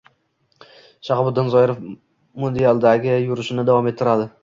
Shahobiddin Zoirov mundialdagi yurishini davom ettiradi